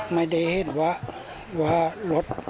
ไม่ได้เห็นว่ารถ